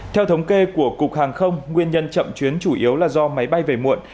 theo thống kê của cục hàng không nguyên nhân chậm chuyến chủ yếu là do máy bay về muộn